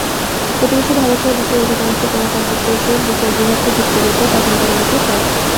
প্রতিবেশী ভারতসহ বিশ্বের অধিকাংশ গণতান্ত্রিক দেশে বিচার বিভাগকে যুক্ত রেখেই তদন্ত কমিটি হয়।